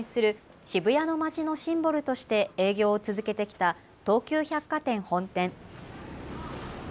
最先端の文化や流行を発信する渋谷の街のシンボルとして営業を続けてきた東急百貨店本店。